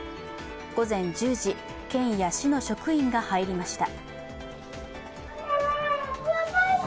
午前１０時、県や市の職員が入りました。